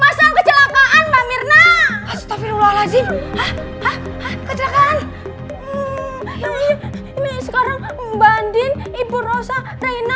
masalah kecelakaan mbak mirna astagfirullahaladzim kecelakaan ini sekarang banding ibu rosa raina